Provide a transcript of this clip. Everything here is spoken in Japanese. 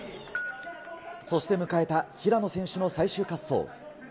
そして迎えた平野選手の最終滑走。